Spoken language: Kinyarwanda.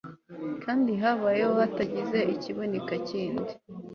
Kandi habaye hatagize ikiboneka kindi